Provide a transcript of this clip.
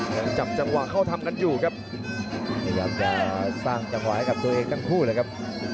ยังจับจังหวะเข้าทำกันอยู่ครับพยายามจะสร้างจังหวะให้กับตัวเองทั้งคู่เลยครับ